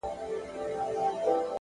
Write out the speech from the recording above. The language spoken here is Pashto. • سیوری د ولي خوب د پېغلي پر ورنونه,